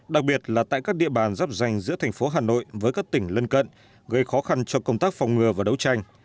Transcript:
đặc biệt là tại các địa bàn giáp danh giữa tp hà nội với các tỉnh lân cận gây khó khăn cho công tác phòng ngừa và đấu tranh